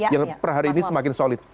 yang per hari ini semakin solid